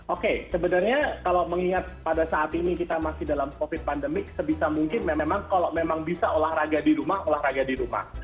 oke sebenarnya kalau mengingat pada saat ini kita masih dalam covid pandemik sebisa mungkin memang kalau memang bisa olahraga di rumah olahraga di rumah